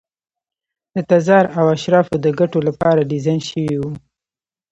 د تزار او اشرافو د ګټو لپاره ډیزاین شوي وو.